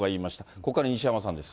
ここから西山さんです。